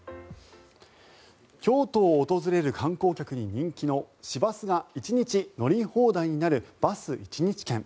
京都を訪れる観光客に人気の市バスが１日乗り放題になるバス１日券。